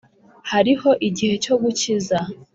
Hariho igihe cyo gukiza